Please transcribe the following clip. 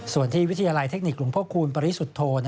ส่วนที่วิทยาลัยเทคนิคหลวงพ่อคูณปริสุทธโธ